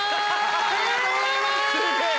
ありがとうございます！